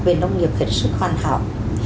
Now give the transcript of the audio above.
về nông nghiệp khả năng sức hoàn hảo